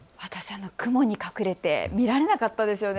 雲に隠れて見られなかったんですよね。